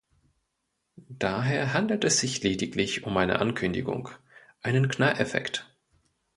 Daher handelt es sich lediglich um eine Ankündigung, einen Knalleffekt.